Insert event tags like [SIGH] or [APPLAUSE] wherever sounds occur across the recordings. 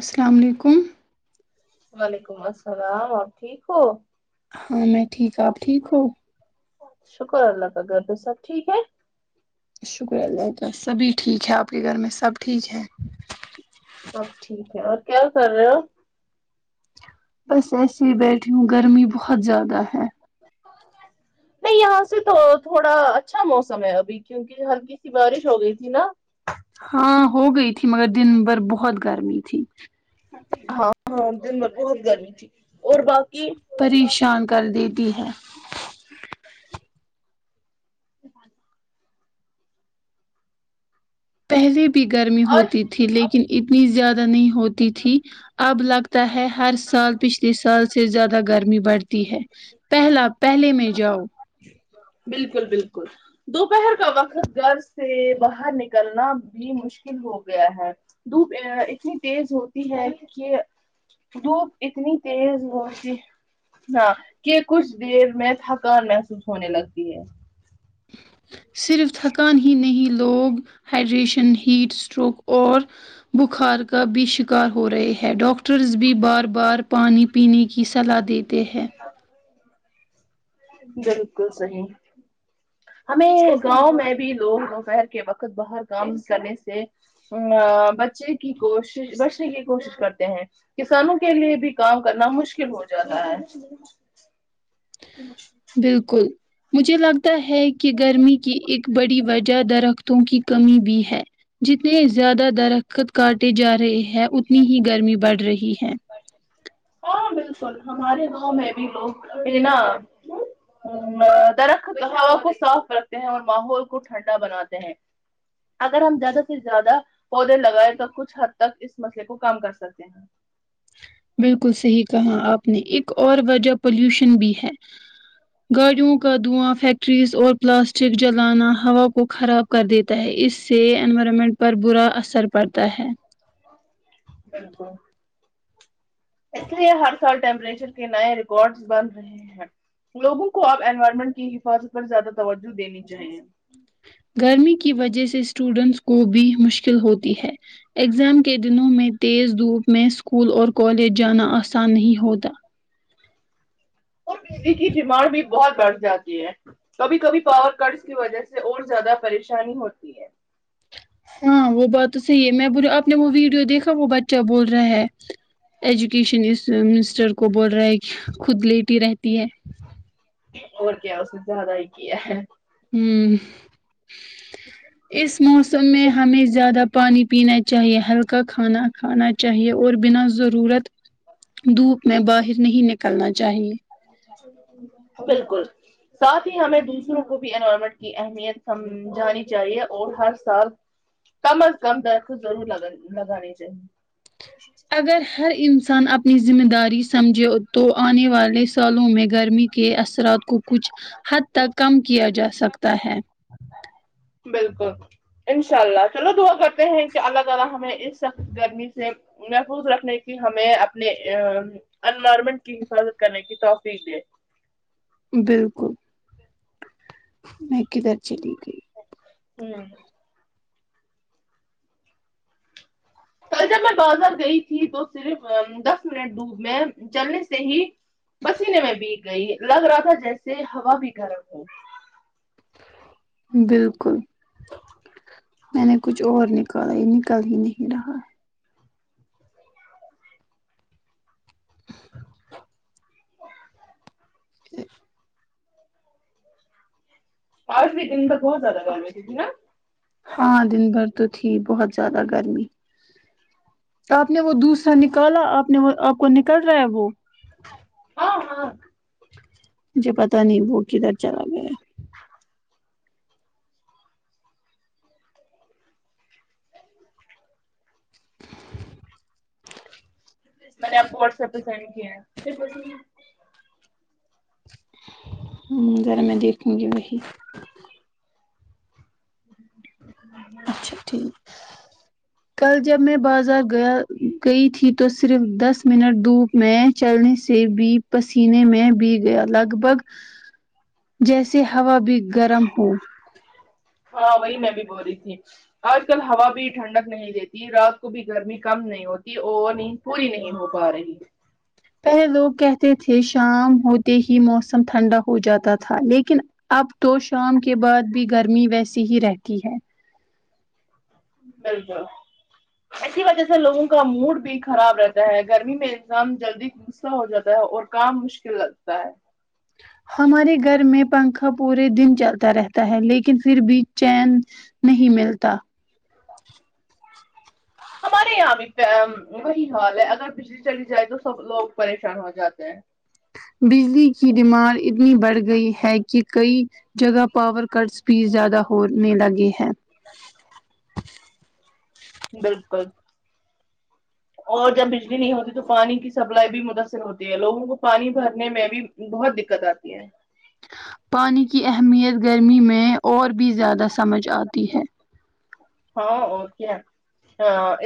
السلام علیکم وعلیکم السلام اور ٹھیک ہو ہاں میں ٹھیک ہو آپ ٹھیک ہو شکر اللہ کاغ پء سب ٹھیک ہے شکر اللہ تالی سبھی ٹھیک ہے آپ کے گھر میں سب ٹھیک ہے اب ٹھیک ہے اور کیا کر رہے ہو بس ایسے ہی بیٹھی ہوں گرمی بہت زیادہ ہے نہیں یہاں سے تو تھوڑا اچھا موسم ہے ابھی کیونکہ ہلکی سی بارش ہو گئی تھی نا ہاں ہو گئی تھی مگر دن بھر بہت گرمی تھی ہاں ہاں دن میں بہت گرمی تھی اور باقی پریشان کر دیتی ہے پہلے بھی گرمی آج ہوتی تھی لیکن اتنی زیادہ نہیں ہوتی تھی اب لگتا ہے ہر سال پچھ سال سے زیادہ گرمی بڑھتی ہے پہلا پہلے میں جاؤ بلکل باکل دوپہر کا وقت گھر سے باہر نکلنا بھی مشکل ہو گیا ہے دھوپ اتنی تیز ہوتی ہے کہ دھوپ اتنی تیز ہوی ہاں کہ کچھ دیر میں تھکان محسوس ہونے لگتی ہے صرف تھکان ہی نہیں لوگ ہائڈریشن ہیٹ اسٹروک اور بخار کا بھی شکار ہو رہے ہیں ڈاکٹرز بھی بار بار پانی پینے کی صلاح دیتے ہیں بلکل صحی ہمیں گاؤں میں بھی لوگ دوپہر کے وقت باہر کام کرنے سے ا بچے کی کوشش بچنے کی کوشش کرتے ہیں کسانوں کے لیے بھی کام کرنا مشکل ہو جاتا ہے اچ بلکل مجھے لگتا ہے کہ گرمی کی ایک بڑی وجہ درختوں کی کمی بھی ہے جتنے زیادہ درخت کاٹے جا رہے ہیں ہے اتنی ہی گرمی بڑھ رہی ہے ہاں بالکل ہمارے گاؤں میں بھی لوگ نا درخت ہوا کو صاف رکھتے ہیں اور ماحول کو ٹھنڈا بناتے ہیں اگر ہم زیادہ سے زیادہ پودے لگائےیں تو کچھ حد تک مسئلے کو کم کر سکتے ہیں بلکل صحیح کہا آپ نے ایک اور وجہ پلیوشن بھی ہے گاڑیوں کا دھواں فیکٹریز اور پلاسٹک جلانا ہوا کو خراب کر دیتا ہے اس سے انوائرمنٹ پر برا اثر پڑتا ہے [UNINTELLIGIBLE] اس لیے ہر سال ٹیمپریچر کے نئے ریکارڈ بن رہے ہیں لوگوں کو اپ انوائرمنٹ کی حفاظت پر زیادہ توجہ دینی چاہیے گرمی کی وجہ سے اسٹوڈنٹس کو بھی مشکل ہوتی ہے اگزام کے دنوں میں تیز دھوپ میں اسکول اور کالج جانا آسان نہیں ہوتا اور بجلی کی ڈیمانڈ بھی بہت بڑھ جاتی ہے کبھی کبھی پاور کٹس کی وجہ سے اور زیادہ پریشانی ہوتی ہے ہاں وہ بات تو صحیح ہے میں بول آپ نے وہ ویڈیو دیکھا وہ بچہ بول رہا ہے ایجوکیشن اس منسٹر کو بول رہا ہے کہ خود لیٹی رہتی ہے اور کیا اس نے زیادہ ہی کیا ہے ہوں اس موسم میں ہمیں زیادہ پانی پینا چاہیے ہلکا کھانا کھانا چاہیے اور بنا ضرورت دھوپ میں باہر نہیں نکلنا چاہیے بالکل ساتھ ہی ہمیں دوسروں کو بھی انوائرمنٹ کی اہمیت سمجھانی چاہیے اور ہر سال کم از کم درخت ضرور لگا لگانی چایے اگر ہر انسان اپنی ذمہ داری سمجھے تو آنے والے سالوں میں گرمی کے اثرات کو کچھ حد تک کم کیا جا سکتا ہے بالکل انشاء اللہ چلو دعا کرتے ہیں کہ اللہ تعالی ہمیں اس سخت گرمی سے محفوظ رکھنے کی ہمیں اپنے انوائرمنٹ کی حفاظت کرنے کی توفیق دی بلکل میں کدھر چلی گئی ہوں جب میں بازار گئی تھی تو صرف دس منٹ دھوپ میں چلنے سے ہی پسینے میں بیھگ گئی لگ رہا تھا جیسے ہوا بھی گرم ہو بالکل میں نے کچھ اور نکالا یہ نکل ہی نہیں رہا ج پانچ بھی دن تک بہت زیادہ گرمی تھی نا ہاں دن بھر تو تھی بہت زیادہ گرمی آپ نے وہ دسرا نکالا آپ نے وہ آپ کو نکل رہا ہے وہ ہاں ہاں مجھے پتہ نہیں وہ کدھر چلا گیا میں نے آپ کو واٹسپ پہ سینڈ کیا ہے پھر ہ ذرا میں دیکھوں گی وہی ہ اچھا ٹھیک کل جب میں بازار گیا گئی تھی تو صرف دس منٹ دھوپ میں چلنے سے بھی پسینے میں بی گیا لگ بھگ جیسے ہوا بھی گرم ہو ہاں وہی میں بھی بول رہی تھی آج کل ہوا بھی ٹھنڈک نہیں دیتی رات کو بھی گرمی کم نہیں ہوتی اور نیند پوری نہیں ہو پا رہی پہلے لوگ کہتے تھے شام ہوتے ہی موسم ٹھنڈا ہو جاتا تھا لیکن اب تو شام کے بعد بھی گرمی ویسی ہی رہتی ہے بالکل اسی وجہ سے لوگوں کا موڈ بھی خراب رہتا ہے گرمی میں انسان جلدی غصہ ہو جاتا ہے اور کام مشکل لگتا ہے ہمارے گھر میں پنکھا پورے دن چلتا رہتا ہے لیکن پھر بھی چین نہیں ملتا ہمارے یہاں بھی وہی حال ہے اگر بجلی چلی جائے تو سب لوگ پریشان ہو جاتے ہیں بجلی کی ڈیمانڈ اتنی بڑھ گئی ہے کہ کئی جگہ پاور کٹس بھی زیادہ ہونے لگے ہے بالکل [INAUDIBLE] اور جب بجلی نہیں ہوتی تو پانی کی سپلائی بھی متاثر ہوتی ہے لوگوں کو پانی بھرنے میں بھی بہت دککت آتی ہے پانی کی اہمیت گرمی میں اور بھی زیادہ سمجھ آتی ہے ہاں اور کیا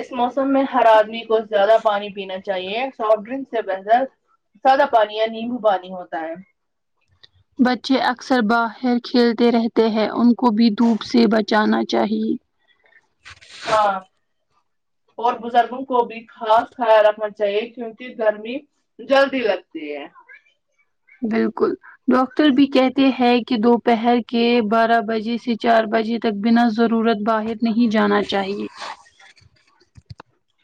اس موسم میں ہر آدمی کو زیادہ پانی پینا چاہیے سافٹ ڈرنک سے بہتر سادہ پانی یا نیمبو پانی ہوتا ہے بچے اکثر باہر کھیلتے رہتے ہیں ان کو بھی دھوپ سے بچانا چاہیے [INAUDIBLE] ہاں اور بزرگوں کو بھی خاص خیال رکھنا چاہیے کیونکہ گرمی جلدی لگتی ہے بالکل ڈاکٹر بھی کہتے ہیں کہ دوپہر کے بارہ بجے سے چار بجے تک بنا ضرورت باہر نہیں جانا چاہیے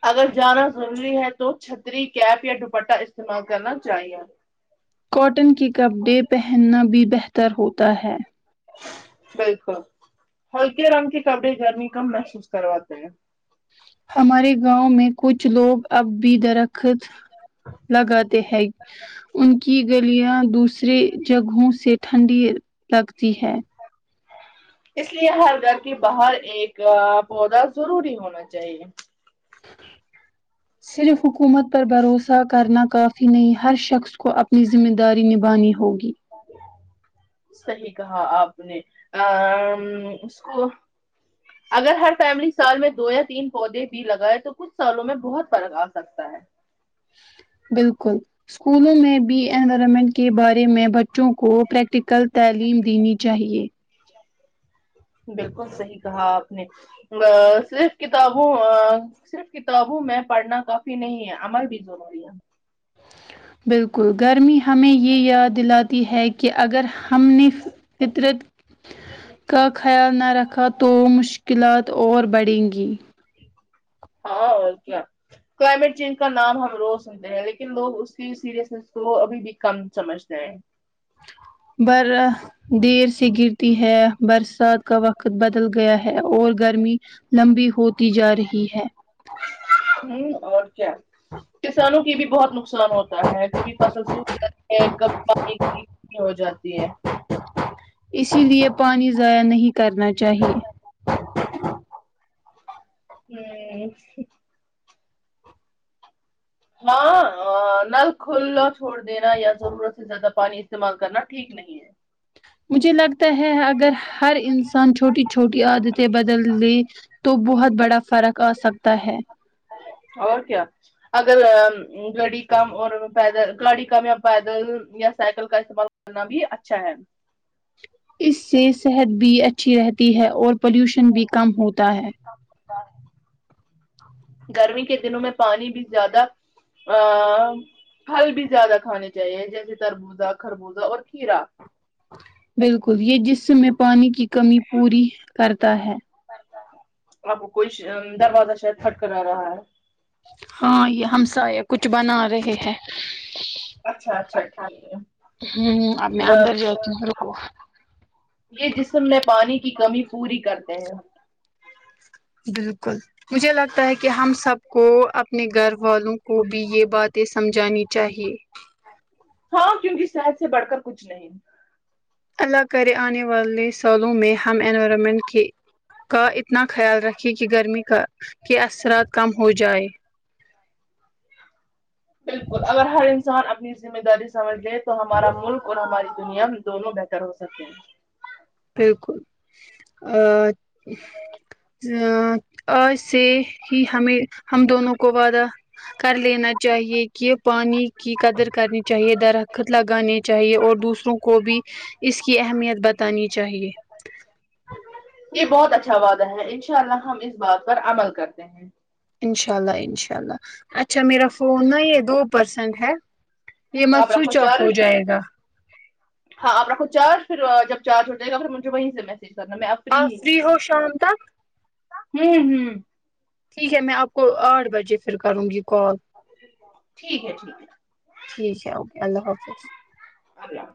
اگر جانا ضروری ہے تو چھتری کیپ یا دوپٹہ استعمال کرنا چاہیے کاٹن کے کپڑے پہننا بھی بہتر ہوتا ہے بالکل ہلکے رنگ کے کپڑے گرمی کم محسوس کرواتے ہیں ہمارے گاؤں میں کچھ لوگ اب بھی درخت لگاتے ہیں ان کی گرمیاں دوسرے جگہوں سے ٹھنڈی لگتی ہے اس لیے ہر گھر کے باہر ایک پودا ضروری ہونا چاہیے صرف حکومت پر بھروسہ کرنا کافی نہیں ہر شخص کو اپ نی ذمہ داری نبھانی ہوگی صحیح کہا آپ نے اس کو ج [UNINTELLIGIBLE] اگر ہر فیملی سال میں دو یا تین پودے بھی لگائے تو کچھ سالوں میں بہت فرق آ سکتا ہے بالکل اسکولوں میں بھی انوائرمنٹ کے بارے میں بچوں کو پریکٹیکل تعلیم دینی چاہیے [INAUDIBLE] بالکل صحیح کہا آپ نے صرف کتابوں صرف کتابوں میں پڑھنا کافی نہیں ہے عمل بھی ضروری ہے بالکل گرمی ہمیں یہ یاد دلاتی ہے کہ اگر ہم بھی فطرت کا خیال نہ رکھا تو مشکلات اور بڑھیں گی ہاں اور کیا کلائمیٹ چینج کا نام ہم روز لیکن لوگ اس کی سیریسنیس کو ابھی بھی کم سمجھتے ہیں بر دیر سے گرتی ہے برسات کا وقت بدل گیرتی ہے اور گرمی لمبی ہوتی جا رہی ہے ہیں اور کیا کسانوں کی بھی بہت نقصان ہوتا ہے کبھی فصل سوکھ جاتی ہے کبھی ایک ایک ہو جاتی ہے اسی لیے پانی ضائع نہیں کرنا چاہیے ھممم ہاں نل کھلاچھوڑ دینا یا ضرورت سے زیادہ پانی استعمال کرنا ٹھیک نہیں ہے مجھے لگتا ہے اگر ہر انسان چھوٹی چھوٹی عادتیں بدل لیں تو بہت بڑا فرق آسکتا ہے اور کیا اگر گاڑی کم اور پیدل گاڑی کم یا پیدل یا سائیکل کا استعمال کرنا بھی اچھا ہے اس سے صحت بھی اچھی رہتی ہے اور پلیوشن بھی کم ہوتا ہے گرمی کے دنوں میں پانی بھی زیادہ آں پھل بھی زیادہ کھانے چاہیے جیسے تربوزہ خربوزہ اور کھیرا بالکل یہ جسم میں پانی کی کمی پوری کرتا ہے آپ کو کوئی شہ دروازہ شاید کھٹ کھٹارہا ہے ہاں یہ ہم سائے کچھ بنا رہے ہیں اچھا اچھا ٹھیک ہے ہاں آ ب میں اندر جاتی ہو رکو یہ جسم میں پانی کی کمی پوری کرتے ہیں بالکل مجھے لگتا ہے کہ ہم سب کو اپنے گھر والوں کو بھی یہ باتیں سمجھانی چاہیے ہاں کیونکہ کی صحت سے بڑھ کر کچھ نہیں اللہ کرے آنے والے سالوں میں ہم انوائرمنٹ کا اتنا خیال رکھیں کہ گرمی کا کے اثرات کم ہو جائے بالکل اگر ہر انسان اپنی ذمہ داری سمجھ لیں تو ہمارا ملک اور ہماری دنیا دونوں بہتر ہو سکتے ہیں بالکل آج سے ہی ہمیں ہم دونوں کو وعدہ کر لینا چاہیے کہ پانی کی قدر کرنی چاہیے درخت لگانے چاہیے اور دوسروں کو بھی اس کی اہمیت بتانی چاہیے یہ بہت اچھا وعدہ ہے ان شاء اللہ ہم اس بات پر عمل کرتے ہیں ان شاء اللہ ان شاء اللہ اچھا میرا فون نا یہ دو پرسینٹ ہے یہ نا آپ رکھو سوئچ آف ہو چارج جائے گا ہاں آپ رکھو چار ج پھر جب چار ج ہو جائے پھر مجھے وہیں سے میسج کرنا میں آپ ہی فری ہوں ہو شام تک ہوں ہوں ٹھیک ہے میں آپ کو آٹھ بجے پھر کروں گی کال ٹھیک ہے ٹھیک ہے ٹھیک ہے اوکے اللہ حافظ اللہ